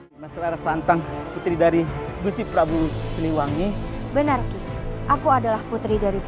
hai masalah pantang putri dari busi prabu seniwangi benarki aku adalah putri dari